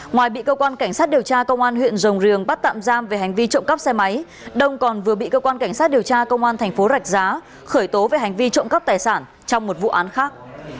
ngoài bị cơ quan cảnh sát điều tra công an huyện rồng riềng bắt tạm giam về hành vi trộm cắp xe máy đông còn vừa bị cơ quan cảnh sát điều tra công an thành phố rạch giá khởi tố về hành vi trộm cắp tài sản trong một vụ án khác